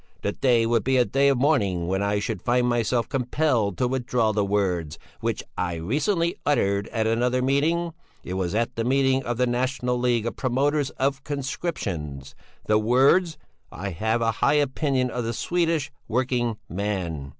The day would be a day of mourning when I should find myself compelled to withdraw the words which I recently uttered at another meeting (it was at the meeting of the National League of Promoters of Conscription), the words: 'I have a high opinion of the Swedish working man.'"